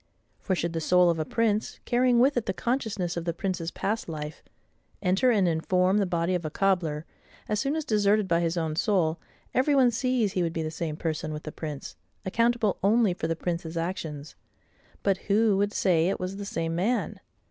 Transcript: For should the soul of a prince, carrying with it the consciousness of the prince's past life, enter and inform the body of a cobbler, as soon as deserted by his own soul, every one sees he would be the same PERSON with the prince, accountable only for the prince's actions: but who would say it was the same MAN?